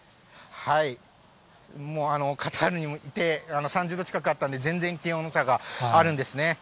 もう、カタールにもいて、３０度近くあったんで、全然、気温差があるんですね。